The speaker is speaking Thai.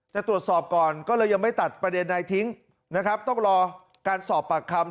จะตรวจสอบก่อนก็เลยยังไม่ตัดประเด็นใดทิ้งนะครับต้องรอการสอบปากคำ